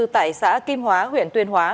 tại xã kim hóa huyện tuyên hóa